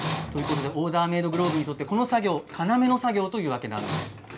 オーダーメードグローブにとってこの作業は要の作業ということなんです。